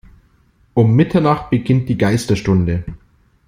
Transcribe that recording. Um Mitternacht beginnt die Geisterstunde.